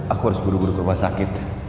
aku harus buru buru ke rumah sakit